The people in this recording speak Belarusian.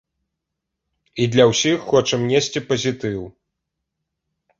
І для ўсіх хочам несці пазітыў.